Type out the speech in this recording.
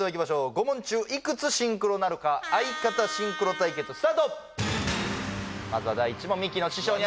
５問中いくつシンクロなるか相方シンクロ対決スタート！